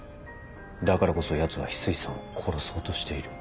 だからこそヤツは翡翠さんを殺そうとしている。